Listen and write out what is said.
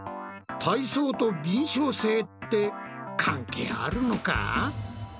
体操と敏しょう性って関係あるのか？